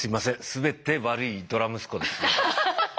全て悪いドラ息子です。